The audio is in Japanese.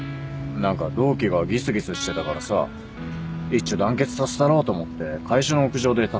何か同期がギスギスしてたからさいっちょ団結させたろうと思って会社の屋上でタコパやったんだ